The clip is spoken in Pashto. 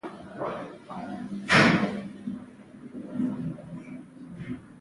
خو ځینې وختونه یې د بیې پر سر اختلاف وي.